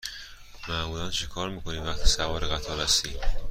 معمولا چکار می کنی وقتی سوار قطار هستی؟